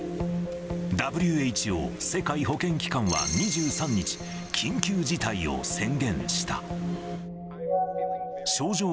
ＷＨＯ・世界保健機関は２３日、緊急事態を宣言した。